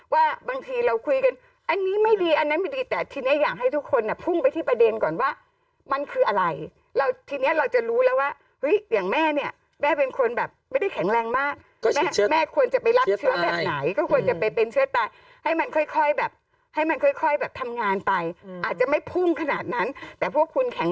ว่าบางทีเราคุยกันอันนี้ไม่ดีอันนั้นไม่ดีแต่ทีนี้อยากให้ทุกคนพุ่งไปที่ประเด็นก่อนว่ามันคืออะไรเราทีนี้เราจะรู้แล้วว่าเฮ้ยอย่างแม่เนี่ยแม่เป็นคนแบบไม่ได้แข็งแรงมากแม่ควรจะไปรับเชื้อแบบไหนก็ควรจะไปเป็นเชื้อตายให้มันค่อยแบบให้มันค่อยแบบทำงานไปอาจจะไม่พุ่งขนาดนั้นแต่พวกคุณแข็ง